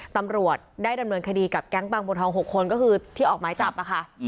ตำรวจได้ดำเนินคดีกับแก๊งบางบนทอง๖คนก็คือที่ออกหมายจับค่ะ